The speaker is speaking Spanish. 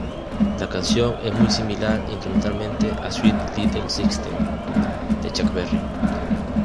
La canción es muy similar instrumentalmente a "Sweet Little Sixteen" de Chuck Berry.